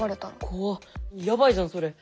怖っやばいじゃんそれ。